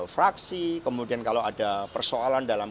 fraksi kemudian kalau ada persoalan dalam